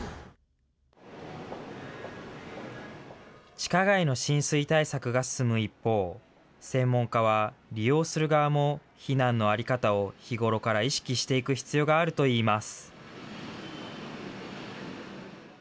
地下街の浸水対策が進む一方、専門家は、利用する側も避難の在り方を日頃から意識していく必要があるといいます。